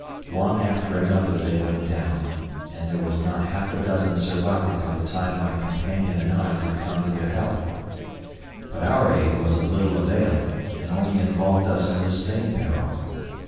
One after another they went down, and there were not half a dozen surviving by the time my companion and I could come to their help. But our aid was of little avail and only involved us in the same peril.